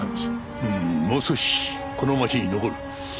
うーんもう少しこの町に残る。